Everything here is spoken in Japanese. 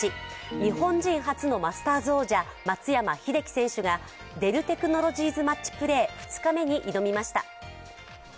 日本人初のマスターズ王者松山英樹選手がデルテクノロジーズ・マッチプレー２日目に挑みました。